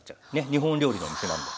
日本料理のお店なんで。